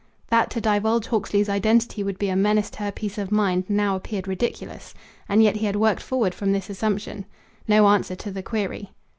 That to divulge Hawksley's identity would be a menace to her peace of mind now appeared ridiculous; and yet he had worked forward from this assumption. No answer to the query.